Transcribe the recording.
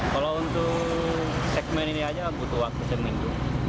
kalau untuk segmen ini saja butuh waktu segmen dulu